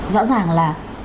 rõ ràng là